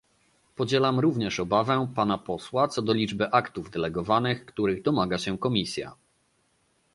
Podzielam również obawę pana posła co do liczby aktów delegowanych, których domaga się Komisja